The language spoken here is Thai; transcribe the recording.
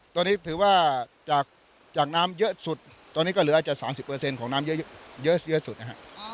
ตอนนี้ถือว่าจากจากน้ำเยอะสุดตอนนี้ก็เหลืออาจจะสามสิบเปอร์เซ็นต์ของน้ำเยอะเยอะสุดอ่ะฮะอ๋อ